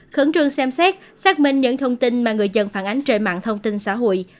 khẩn trương xem xét xác minh những thông tin mà người dân phản ánh trên mạng thông tin xã hội